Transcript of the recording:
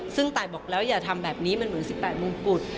ซึ่งตายบอกแล้วอย่าทำแบบนี้มันเหมือน๑๘มงกุฎ